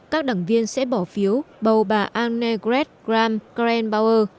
các đảng viên sẽ bỏ phiếu bầu bà annegret kramp kleinbauer